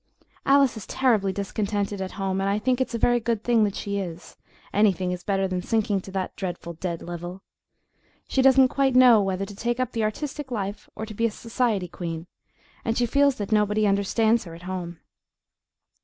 Alice is terribly discontented at home, and I think it's a very good thing that she is; anything is better than sinking to that dreadful dead level. She doesn't quite know whether to take up the artistic life or be a society queen, and she feels that nobody understands her at home.